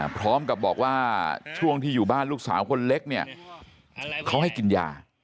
พร้อมกับบอกว่าช่วงที่อยู่บ้านลูกสาวคนเล็กเนี่ยเขาให้กินยา